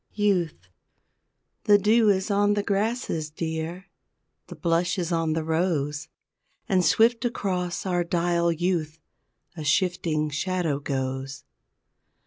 YOUTH The dew is on the grasses, dear, The blush is on the rose, And swift across our dial youth, A shifting shadow goes.